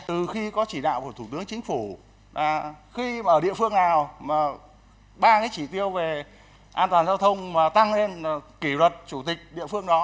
từ khi có chỉ đạo của thủ tướng chính phủ là khi mà ở địa phương nào mà ba cái chỉ tiêu về an toàn giao thông mà tăng lên kỷ luật chủ tịch địa phương đó